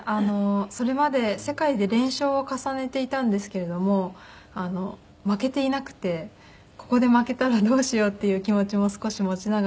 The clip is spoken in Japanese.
それまで世界で連勝を重ねていたんですけれども負けていなくてここで負けたらどうしようっていう気持ちも少し持ちながら。